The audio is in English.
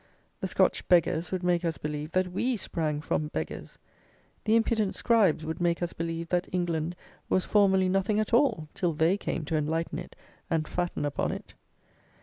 The Scotch beggars would make us believe that we sprang from beggars. The impudent scribes would make us believe that England was formerly nothing at all till they came to enlighten it and fatten upon it.